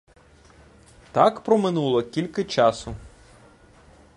Так проминуло кільки часу.